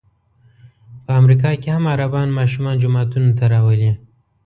په امریکا کې هم عربان ماشومان جوماتونو ته راولي.